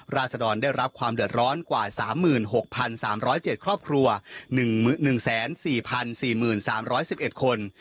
ราชดรได้รับความเดือดร้อนกว่าสามหมื่นหกพันสามร้อยเจ็ดครอบครัวหนึ่งหนึ่งแสนสี่พันสี่หมื่นสามร้อยสิบเอ็ดคน